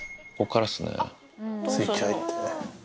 スイッチ入って。